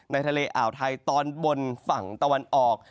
ทะเลอ่าวไทยตอนบนฝั่งตะวันออก